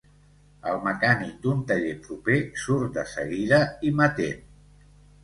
El mecànic d'un taller proper surt de seguida i m'atén.